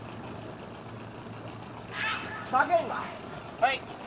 はい？